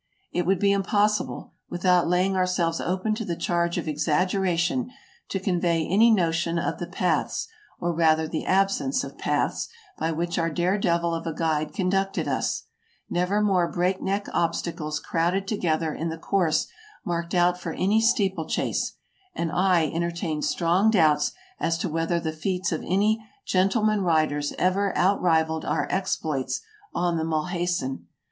It would be impossible, without laying ourselves open to the charge of exaggeration, to convey any notion of the paths, or rather the absence of paths, by which our dare devil of a guide conducted us; never more break neck obstacles crowded together in the course marked out for any steeple chase, and I entertain strong doubts as to whether the feats of any "gentleman riders" ever outrivaled our exploits on the Mulhacen.